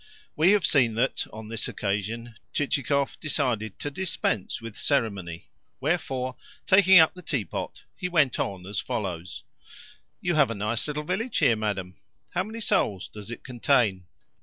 We have seen that, on this occasion, Chichikov decided to dispense with ceremony; wherefore, taking up the teapot, he went on as follows: "You have a nice little village here, madam. How many souls does it contain?"